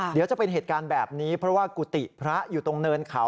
เดี๋ยวจะเป็นเหตุการณ์แบบนี้เพราะว่ากุฏิพระอยู่ตรงเนินเขา